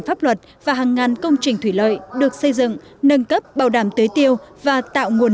pháp luật và hàng ngàn công trình thủy lợi được xây dựng nâng cấp bảo đảm tưới tiêu và tạo nguồn